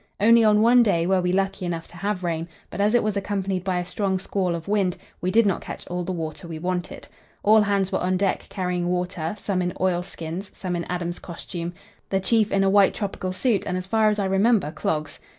Only on one day were we lucky enough to have rain, but as it was accompanied by a strong squall of wind, we did not catch all the water we wanted. All hands were on deck carrying water, some in oilskins, some in Adam's costume; the Chief in a white tropical suit, and, as far as I remember, clogs.